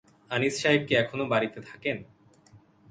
আনিস সাহেব কি এখনো এ-বাড়িতে থাকেন?